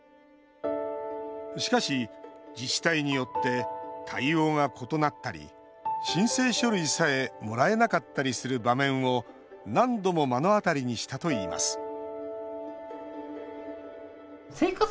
しかし、自治体によって対応が異なったり申請書類さえもらえなかったりする場面を何度も目の当たりにしたといいます